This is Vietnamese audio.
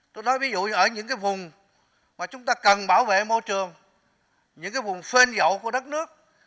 tôi nói ví dụ ở những cái vùng mà chúng ta cần bảo vệ môi trường những cái vùng phên dậu của đất nước